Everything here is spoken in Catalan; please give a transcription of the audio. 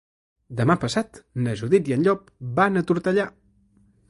Demà passat na Judit i en Llop van a Tortellà.